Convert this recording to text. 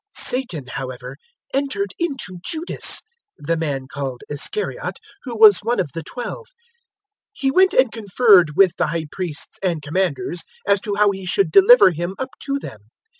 022:003 Satan, however, entered into Judas (the man called Iscariot) who was one of the Twelve. 022:004 He went and conferred with the High Priests and Commanders as to how he should deliver Him up to them.